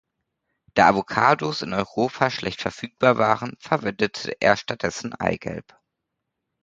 Da Avocados in Europa schlecht verfügbar waren, verwendete er stattdessen Eigelb.